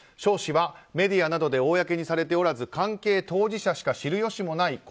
小誌はメディアなどで公にされておらず関係当事者しか知る由もない